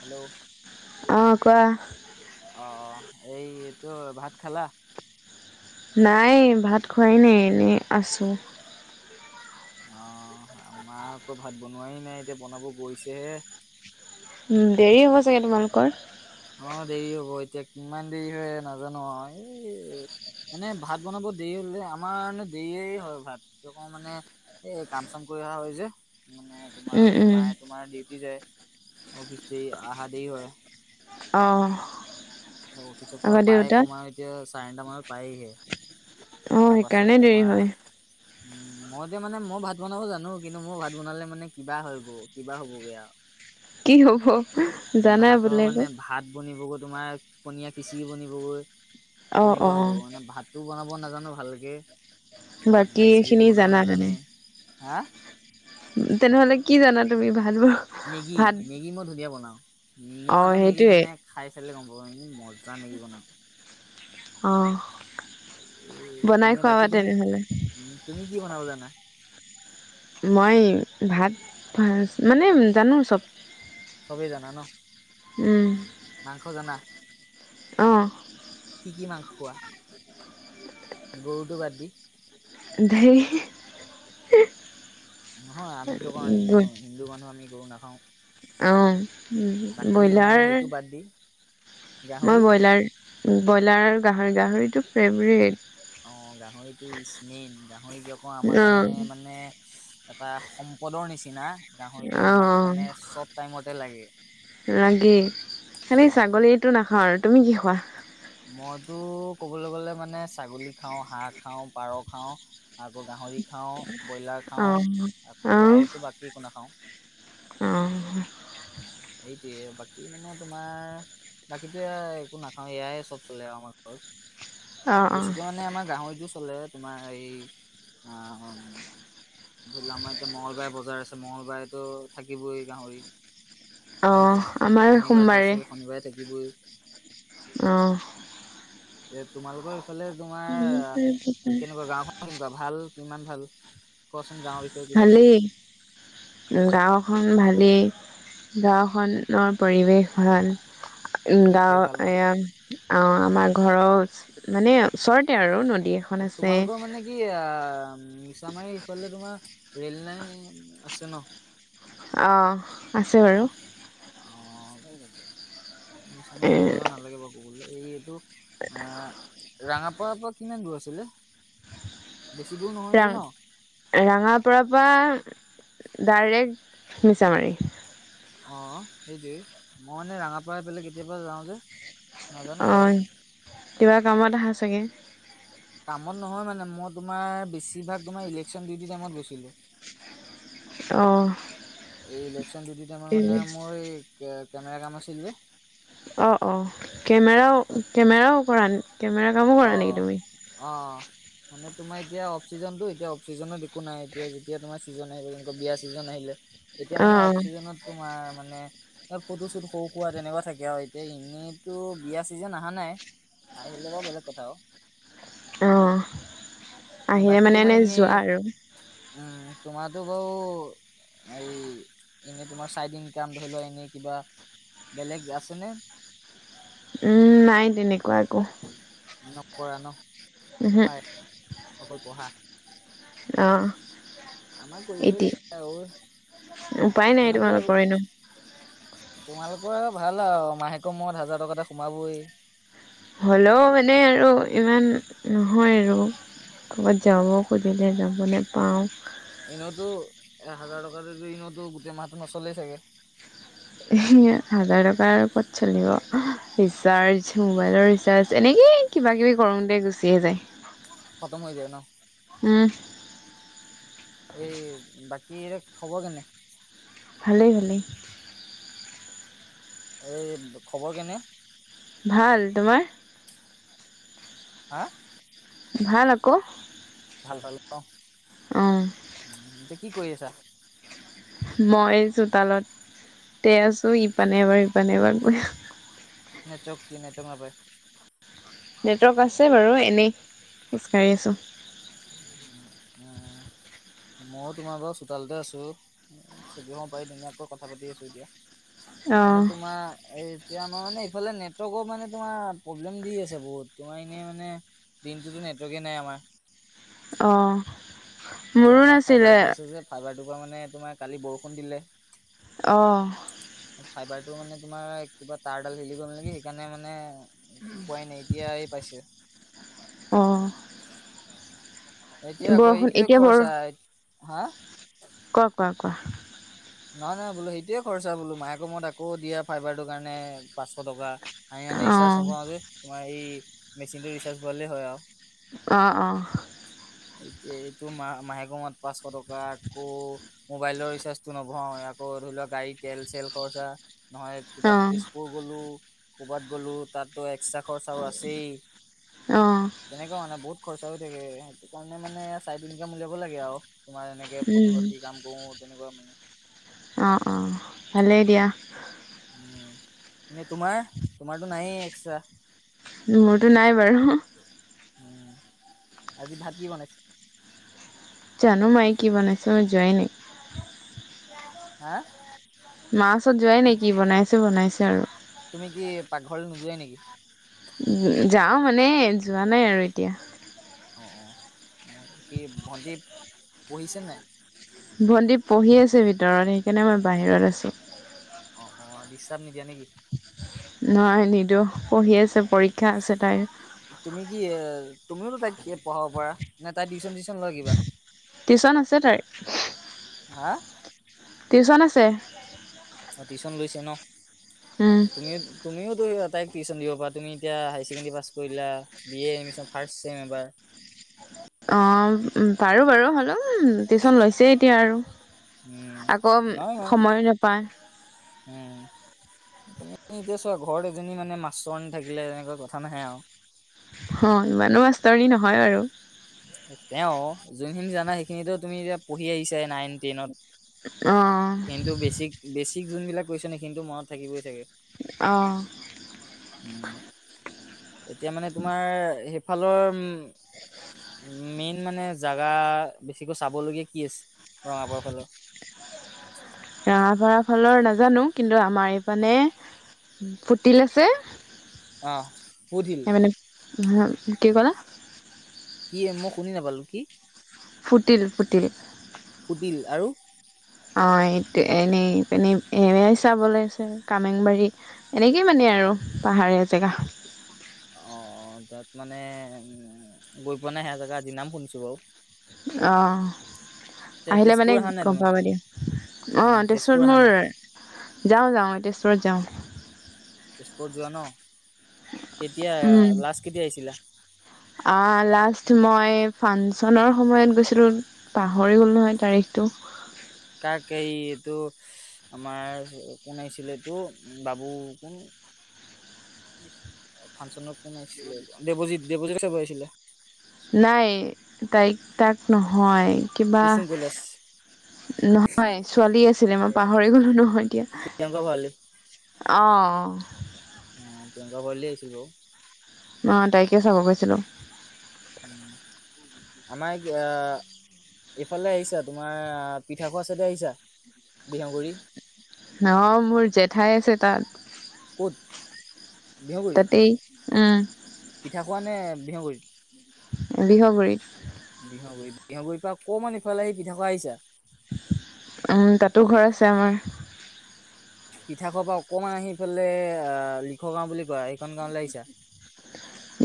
Hello. কোৱাহ। অ', এই এইটো ভাত খালা? নাই ভাত খোৱাই নাই এনেই আছোঁ অহ আমাৰ আকৌ ভাত বনোৱাই নাই এতিয়া বনাব গৈছেহে। উম দেৰি হ'ব চাগে তোমালোকৰ অ দেৰি হ'ব এতিয়া কিমান দেৰি হয় নাজানো আও এই এনেই ভাত বনাব দেৰি হ'লে যে আমাৰ এনে দেৰিয়েই হয় ভাত, কি কওঁ মানে এই কাম চাম কৰি অহা হয় যে মানে উম তোমাৰ এই উম মায়ে তোমাৰ ডিউটি যায় অফিচ দি অহা দেৰি হয়। আহঁ। অফিচৰ পৰা পায় কম আৰু এতিয়া চাৰে নটা মানত পায়হিহে। অ তাৰ পাছত সেইকাৰণে দেৰি তোমাৰ হয়। উম। মই এতিয়া মানে মইও ভাত বনাব জানো কিন্তু মোৰ ভাত বনালে মানে কিবা হয় গো কিবা হ'বগে আও। কি হ'ব? জানাই ভাতৰ বোলে আকৌ মানে ভাত বনিবগৈ তোমাৰ পনীয়া খিচিৰি বনিবগৈ। অঁ তেনেকুৱা অঁ হ'ব মানে ভাতটো বনাব নাজানো ভালকে। তাৰপিছত বাকী ভাজি চাজিটো খিনি বনাব জানা তেনে? নাজানোৱে হা? তেনেহ'লে কি জানা তুমি ভাল মেগী মেগী মই ধুনীয়া বনাও, মোৰ অঁ হাতৰ মেগী সেইটোৱে মানে খাই চালে গম পাব, মেগী মজ জা মেগী বনাওঁ। অহঁ। এ বাকী তুমি উ তুমি কি বনাব জানা? মই ভাত ভাত মানে জানো চব। চবেই জানা ন? মাংস জানা? অঁহ। কি কি মাংস খোৱা? গৰুটো বাদ দি। ধেই [inaudible] নহয় আমি কিয় কওঁ হু হিন্দু মানুহ আমি গৰু নাখাওঁ। অ' বাকী মানে বয়লাৰ। সেইটো বাদ দি মই গাহৰি বয়লাৰ-বয়লাৰ, গাহৰি-গাহৰিটো ফেভৰেট। অ' গাহৰিটো ইচ মেইন, গাহৰি [unintelligible] আমাৰ অ কাৰণে মানে, এটা সম্পদৰ নিচিনা, গাহৰিটো অ আমাক মানে চব টাইমতে লাগে। লাগে, খালি উম ছাগলীটো নাখাওঁ আৰু, তুমি কি খোৱা? মইতো ক'বলৈ গলে মানে ছাগলী খাওঁ, হাঁহ খাওঁ, পাৰ খাওঁ, আকৌ গাহৰি খাওঁ, বয়লাৰ অ খাওঁ আকৌ আৰুতো বাকী একো নাখাওঁ। অঁ। তিয়ে, বাকী মানে তোমাৰ বাকীতো এয়া একো নাখাওঁ এয়াই চব চলে আৰু আমাৰ ঘৰত। অ বেছিকে অ মানে আমাৰ গাহৰিটো চলে তোমাৰ এই ধৰি লোৱা, আমাৰ এতিয়া মঙলবাৰে বজাৰ আছে মঙলবাৰেতো থাকিবই গাহৰি। অ তেনেকুৱা আমাৰ শনিবাৰ গৈছে শনিবাৰে থাকিবই। আহ, এ, তোমালোকৰ ইফালে তোমাৰ কেনেকুৱা গাওঁখন কেনেকুৱা ভাল? কিমান ভাল কোৱাচো ভালেই, গাওঁখন ভাল। লেই গাঁওখনৰ পৰিৱেশ ভাল। উম, পৰিৱেশ গাঁও ভাল ন এইয়া আ-আমাৰ ঘৰৰ মানে ওচৰতে আৰু নদী, এখন আছে তোমালোকৰ মানে কি আ মিছামাৰী সিফালে তোমাৰ ৰেল লাইন আছে ন'? অ'। আছে আ বাৰু অ [unintelligible] এ নিছয় কোন জাগগা নালাগে বাৰু ক'বলে এইটো আহ ৰঙাপাৰাৰ পৰা কিমান দূৰ আছিলে বেছি দূৰ নহয় নেকি ৰাং ন ৰাঙাৰ পৰা পৰা ডাইৰেক্ট মিছামাৰী অঁ সেইটোৱে মইানে ৰঙাপাৰ পাই কেতিয়াবা যাওঁ যে নাজানো বও অঁ কিবা কামত চাগে কামত নহয় মানে মই তোমাৰ বেছিভাগ তুমাৰ ইলেকচন দিউটিত গৈছিলো। [inaudible] অঁ। এই ইলেকশ্যন ডিউটি টাইমত মানে মোৰ কেমেৰা কাম আছিল যে। অঁ অঁ কেমেৰাও তাত কেমেৰাও কৰা কেমেৰা কামো কৰা নেকি তুমি? অঁ তোমাৰ এতিয়া অফচিজনতো এয়া অফচিজনো একো নাই এতিয়া যেতিয়া তোমাৰ চিজন আহিব যেনেকা বিয়া চিজন আহিলে এতিয়া মানে অঁ অফচিজনত তোমাৰ মানে, ফটো চুট সৰু খোৱা তেনেকুৱা থাকে আৰু এতিয়া এনেইতো বিয়া চিজন অহা নাই। আহিলে বাৰু বেলেগ কথা অ'। অঁ অঁ আহিলে বাকী মানে তোমাৰ এনে এনেই যোৱা আৰু উম তোমাৰ সেইটো বাও, হাৰি এনেই তোমাৰ চাইড ইন কাম ধৰি লোৱা এনই কিবা বেলেগ আছেনে? নাই তেনেকুৱা একো। নকৰা ন। এহেহ, পঢ়াই অকল পঢ়া অৱ। আমাৰ কৰিবই এইডটি, লাগে আৰু উপায় নাই তোমালোকৰ তোমালোকৰেনো। তোমালোকৰ আৰু ভাল আও মাহেকৰ মূৰত মৰত হাজাৰ টকা এটা সোমাবই। হ'লেও মানে আৰু ইমান নহয় আৰু। ক'ৰবাত যাব খুজিলে যাব নেপাওঁ। এনেওতো এ হাজাৰ টকা ঋণতো গোটেই মাহটো নচলেই ছাগে। হাজাৰ টকাৰ ও ক'ত চলিব ৰিচাৰ্জ মোবাইলৰ ৰিচাৰ্জ এনেকে। এই কিবা কৰোংতে গুচি এই যায়। খতম হৈ যিয় ন'। উম এই বাকী হেতৰ খবৰ কেনে? ভালে ভালে। এই খবৰ কেনে? ভাল তোমাৰ? হা? ভাল আক। ভাল, ভাল উ এতিয়া কি কৰি আছা? মই চোতালত [unintelligible] ইপানে এবাৰ ইপানে এবাৰ গৈ আছোঁ। নেটৱৰ্ক কি নেটৱৰ্কক নাপায়। নেটৱৰ্ক আছে বাৰু এনেই খোজকাঢ়ি আছোঁ। [unintelligible] ময়ো তোমাৰ বাৰু চোতালতে আছো, চকী এখন পাৰি ধুনীয়াকৈ কথা পাতি আছো এতিয়া। মানে অঁ তোমাৰ এই। এতিয়া আমাৰ মানে এইফালে নেটৱৰ্কৰ মানে তোমাৰ প্ৰব্লেম দি আছে বহুত তোমাৰ এনে মানে দিনটোতো নেটৰ্ৱকে নাই আমাৰ। অৱ। এই আমাৰ ফাইবাৰটো আছে যে ফাইবাৰটোৰ পৰা মানে তোমাৰ কালি বৰষুণ দিলে। অহ'। সেইটোৰ মানে তোমাৰ, কিবা তাৰডাল হেলি গ'ল নেকি। সেইকাৰণে মানে পোৱাই নাই এতিয়া আহি পাইছে। [inaudible] অহ'। এতিয়া আকৌ এইটোয়ে বৰ খৰচা। হা। কোৱা, কোৱা, কোৱা। নহয়, নহয় বোলো সেইটোৱে খৰচা বোলো, মাহেকৰ মূৰত আকৌ দিয়া ফাইবাৰটোৰ কাৰণে পাঁচশ টকা। আমি মনে ৰিচাৰ্জ অঁ নভৰাও যে, তোমাৰ এই মেচিনটো ৰিচাৰ্জ ভৰালেই হয় আৰু। অহ', অহ'। এতিয়া এইটো মাহ মাহেক মূৰত পাঁচশ টকা আকৌ, মোবাইলৰ ৰিচাৰ্জটো নভৰাও আকৌ ধৰি লোৱা, গাড়ী তেল-চেল খৰচা। নহয় কিবা অঁ তেজপুৰ গ'লো। ক'বাত গ'লো তাতো এক্সট্ৰা খৰচাও আছে এই। অঁ তেনেকুৱা মানে বহুত খৰচা হৈ থাকে। সেইকাৰণে মানে চাইডিনকাম উলিয়াব লাগে আৰু। তোমাৰ এনেকে ফটোগ্ৰাফী কাম কৰো তেনেকুৱা মানে। অহ', অহ' ভালেই দিয়া। উম এনে তোমাৰ। তোমাৰতো নাইয়ে এক্সট্ৰা। মোৰতো নাই বাৰু আজি ভাত কি বনাইছা? জানো মায়ে কি বনাইছো, মই যোৱাই নই। হা? মা ওচৰত যোৱাই নাই কি বনাইছে বনাইছে আৰু। তুমি কি, পাকঘৰলৈ নোযোৱাই নেকি? যাওঁ মানে, যোৱা নাই আৰু এতিয়া। অহ', অহ' মই কি ভণ্টি পঢ়িছে নে নাই? ভণ্টি পঢ়ি আছে ভিতৰত। সেইকাৰণে মই বাহিৰত আছোঁ। অহ', অহ' ডিচাৰ্ব নিদিয়া নেকি? নহয় নিদিওঁ, পঢ়ি আছে পৰীক্ষা আছে তাইৰ। তুমি কি এ [unintelligible] পঢ়াব পৰা। নে তাই টিউচন চিউচন লয় কিবা। হয়। হা টিউচন আছে। অহ', টিউচন লৈছে ন, উম, তুমি তুমিওতো ই তাইক টিউচন দিবা পাৰা তুমি এতিয়া, হাই ছেকেণ্ডাৰী পাছ কৰিলা। বি এদমিচন ফাৰ্ষ্টছেম এবাৰ। অহ', পাৰো বাৰু হ'লেও। উম' টিউচন লৈছে এতিয়া আৰু, উম আকৌ সময়ো নাপায়। হম। তুমি এতিয়া চোৱা ঘৰত এজনী মানে মাষ্টৰনী থাকিলে, তেনেকুৱা কথা নাহে আৰু। অহ' ইমানো মাষ্টৰনী নহয় বাৰু। তেওঁ, যোনখিনি জানা সেইখিনিো তুমি এতিয়া পঢ়ি আহিছা নাইন টেনত। অঁ কিন্তু বেছিক-বেছিক যোনবিলাক কৈছো সেইখিনিতো মনত থাকিবই চাগে। অহ'। [unintelligible] এতিয়া মানে, তোমাৰ সেইফালৰ উম [unintelligible] মেইন মানে জাগা বেছিকৈ চাবলগীয়া কি আছে, ৰঙাপাৰাৰ ফালে। ৰঙাপাৰা ফালৰ নাজানো। কিন্তু আমাৰ এইফানে ফুতিল আছে অহ'। [unintelligible] [unintelligible] কি ক'লা? কি এই মই শুনি নাপালো কি? ফুটিল ফুটিল। ফুটিল আৰু? অহ', এইটোৱে এনেই, এনেই এনেই চাবলে আছে। কামেংবাৰী এনেকেই মানে এ আৰু পাহাৰীয়া জেগা। [unintelligible] অ' অ' তাত মানে গৈ পোৱা নাই সেয়া জেগাত আজি নাম শুনিছো বাউ অ' আহিলে মানে তেজপুৰ অহা নাই গম তুমি পাব দিয়ক। উম অ', তেজপুৰ তেজপুৰত অহা মোৰ নাই যাওঁ যাওঁ তেজপুৰত যাওঁ। তেজপুৰত যোৱা ন? কেতিয়া উম লাষ্ট কেতিয়া আহিছিলা আহ লাষ্ট মই ফাংচনৰ সময়ত গৈছিলোঁ পাহৰি গ'ল নহয় তাৰিখটো। কাক এই এইটো আমাৰ কোন আছিলে এইটো বাবু কোন ফাংচন কোন আহিছিল বাৰু দেবজিৎ দেৱজিৎ চাব আহিছিলে। নাই তাইক তাক নহয় কিবা কুচুম কৈলাশ নহয় ছোৱালী আছিলে মই পাহৰি গ'লোঁ নহয় এতিয়া। প্ৰিয়ংকা ভৰালী অঅঁ। অ', প্ৰিয়কা ভৰালী আহিছিল বাৰু। অ তাইকে চাব গৈছিলোঁ। আমাৰ অ' এইফালে আহিছা তোমাৰ পিঠা খোৱা চাইদে আহিছা? বিহগুৰি। অ' মোৰ জেঠাই আছে তাত। ক'ত বিহুগুৰি তাতেই উম পিঠা খোৱা নে বিহগুৰিত। বিহগুৰিত? বিহগুৰিত বিহগুৰিৰ পৰা অকমান ইফালে আহি পিঠা খোৱা আহিছা। তাতো ঘৰ আছে আমাৰ। পিঠা খোৱাৰ পৰা অকমান আহি পালে আহ লিখ গাওঁ বুলি কয় সেইখন গাওঁ লে আহিছা?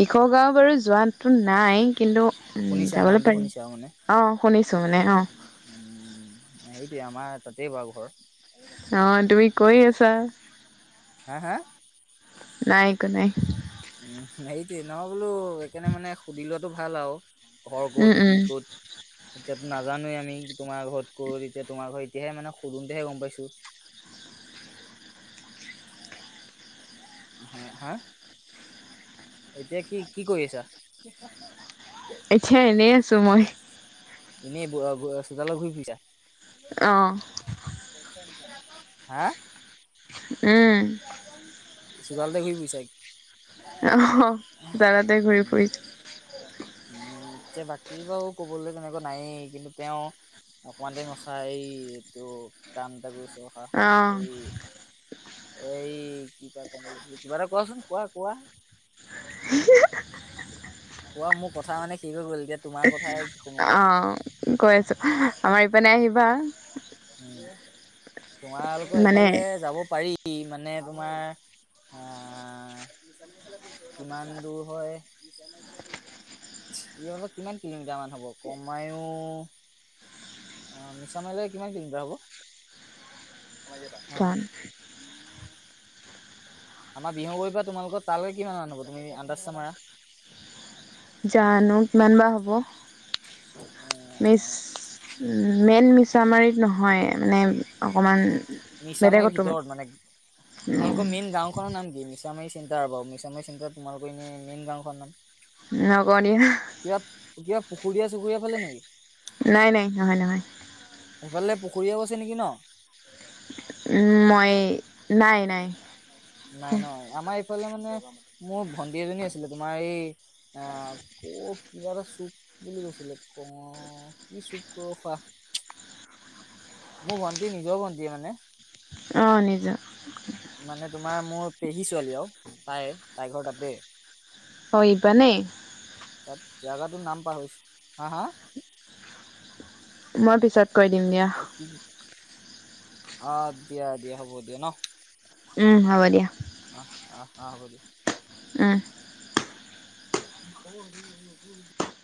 লিখ গাঁও বাৰু যোৱাটো নাই কিন্তু উ শুনিছা যাবলৈ নামটো পাৰিম। শুনিছা মানে উম সেইটোৱে আমাৰ তাতেই বাৰু ঘৰ। অ' তুমি কৈ আছা। হাঁ হাঁ। নাই একো নাই। উ সেইটোৱে ন বোলো সেইকাৰণে মানে সুধি লোৱাটো ভাল আও। ঘৰ উম ক'ত উম কি ক'ত। এতিয়াতো নাজানোৱে আমি তোমাৰ ঘৰত কৰ, এতিয়া তোমাৰ ঘ এতিয়াহে মানে সুধোতেহে গম পাইছোঁ। [inaudible] হ হা? এতিয়া কি কি কৰি আছা? এতিয়া এনেই আছোঁ মই। এনেই বোৱা গোৱা চোতালত ঘূৰি ফুৰিছা? অ হা? উম। চোতালতে ঘূৰি ফূৰিছা? অঁহ চোতালতে ঘূৰি উম। ফুৰিছো। উম, এতিয়া বাকী বাৰু ক'বলৈ তেনেকুৱা নায়েই কিন্তু তেওঁ। অকমান টাইম ৰখা এইটো কাম এটা কৰিছো। ৰখা অ এই এই। কিবা এটা কোৱাচোন কোৱা কোৱা। [inaudible] অ মোৰ কথা মানে শেষ হৈ গ'ল। এতিয়া তোমাৰ কথাই শুনো আৰু অ', কৈ আছো আমাৰ ইপিনে আহিবা। উম তোমালোকৰ মানে এইফালে যাব পাৰি মানে তোমাৰ। আহ কিমান দূৰ হয়। ইয়াৰ পৰা কিমান কিলোমিটাৰ মান হ'ব কমাইও। অ' মিছা মাইলে। কিমান কিলোমিটাৰ হ'ব, আমাৰ এয়াৰ পৰা উম আমাৰ বিহগুৰি পৰা তোমালোকৰ তালৈ কিমান মান হ'ব তুমি আন্দাজ এটা মাৰা জানো কিমান বা হ'ব মিছ মেইন মিছামাৰী নহয় মানে অকমান মিছামাৰীৰ বেলেগতো ভিতৰত মানে তোমালোকৰ মেইন গাওখনৰ নাম কি মিছামাৰী চে [unintelligible] বাৰু মিছামাৰী চেন্টাৰ তোমালোকৰ নে এনেই মেইন গাঁওখন নাম? নকওঁ দিয়া ইয়াত কিবা পুখুৰীয়া চুখুৰীয়া ফালে নেকি? নাই-নাই নহয়-নহয়। এইফালে পুখুৰীয়াও গৈছে নেকি ন? উম, ময়ে নাই-নাই। নাই নহয় আমাৰ এইফালে মানে মোৰ ভন্টি এজনী আছিলে তোমাৰ এই আহ [unintelligible] কিবা এটা চুপ বুলি কৈছিলে ক' কি চুপ ৰখা মোৰ ভণ্টি নিজৰ ভণ্টিয়ে মানে। অ, নিজৰ। মানে তোমাৰ মোৰ পেহী ছোৱালী আৰু তাই। তাই ঘৰ তাতে হয় ইপানে। তাত জাগাটো নাম পাহৰিছো হা-হা? মই পিছত কৈ দিম দিয়া। অ, দিয়া-দিয়া হ'ব দিয়া ন? উম, হ'ব দিয়া। আহ, আহ, আহ, হ' ব দিয়া। উম, [unintelligible]